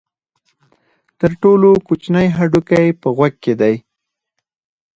تر ټولو کوچنی هډوکی په غوږ کې دی.